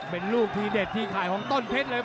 เป็นลูกทีเด็ดทีข่ายของต้นเพชรเลย